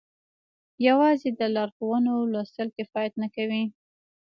يوازې د لارښوونو لوستل کفايت نه کوي.